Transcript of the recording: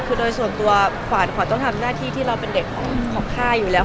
คือโดยส่วนตัวขวัญขวัญต้องทำหน้าที่ที่เราเป็นเด็กของค่ายอยู่แล้ว